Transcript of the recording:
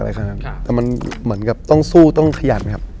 แต่มันเหมือนกับต้องสู้ต้องขยันครับ